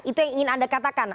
itu yang ingin anda katakan